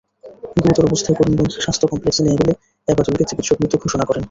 গুরুতর অবস্থায় করিমগঞ্জ স্বাস্থ্যকমপ্লেক্সে নিয়ে গেলে এবাদুলকে চিকিৎসক মৃত ঘোষণা করেন।